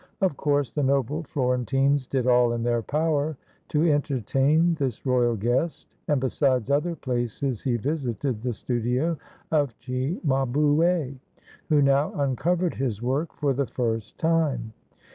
Of course the noble Florentines did all in their power to entertain this royal guest, and besides other places he visited the studio of Cimabue, who now uncovered his work for the first time.